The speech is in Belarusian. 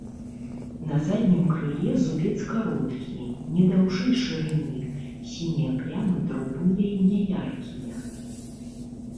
На заднім крыле зубец кароткі, не даўжэй шырыні, сінія плямы дробныя і няяркія.